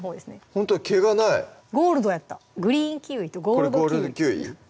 ほんとに毛がないゴールドやったグリーンキウイとゴールドキウイゴールデンキウイ？